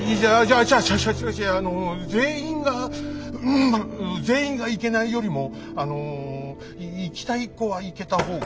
あの全員がうん全員が行けないよりもあのい行きたい子は行けた方が。